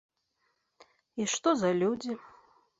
І што за людзі?